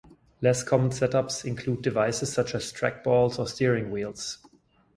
Less common setups include devices such as trackballs or steering wheels.